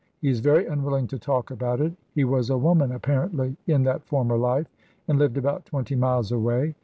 He is very unwilling to talk about it. He was a woman apparently in that former life, and lived about twenty miles away.